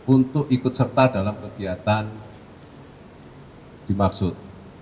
untuk ikut serta dalam kegiatan dimaksud